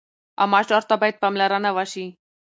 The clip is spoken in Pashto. عامه چارو ته باید پاملرنه وشي.